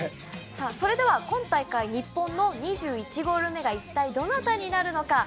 それでは今大会日本の２１ゴール目が一体、どなたになるのか。